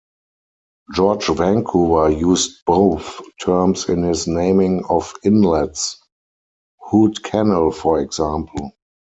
George Vancouver used both terms in his naming of inlets, Hood Canal for example.